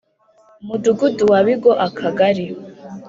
Mudugudu wa Bigo Akagari